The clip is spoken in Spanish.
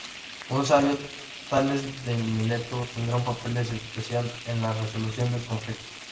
Un sabio, Tales de Mileto tendrá un papel especial en la resolución del conflicto.